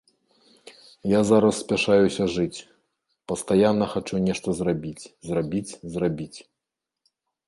Я зараз спяшаюся жыць, пастаянна хачу нешта зрабіць, зрабіць, зрабіць.